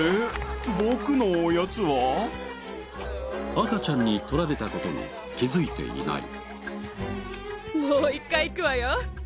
赤ちゃんに取られた事に気づいていない。